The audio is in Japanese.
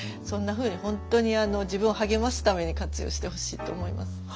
そんなふうに本当に自分を励ますために活用してほしいと思います。